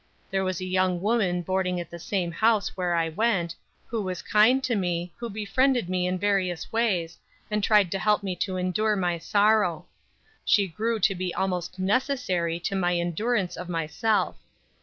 There was a young woman boarding at the same house where I went, who was kind to me, who befriended me in various ways, and tried to help me to endure my sorrow. She grew to be almost necessary to my endurance of myself.